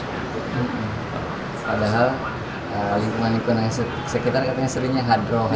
padahal lingkungan lingkungan sekitar katanya seringnya hadroh